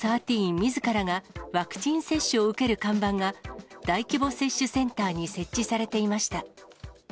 みずからがワクチン接種を受ける看板が、大規模接種センターに設置されていました。